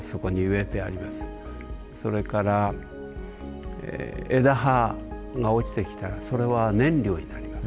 それから枝葉が落ちてきたらそれは燃料になります。